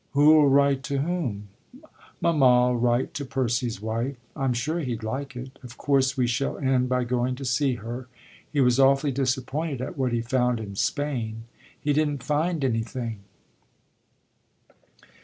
"Who'll write to whom?" "Mamma'll write to Percy's wife. I'm sure he'd like it. Of course we shall end by going to see her. He was awfully disappointed at what he found in Spain he didn't find anything."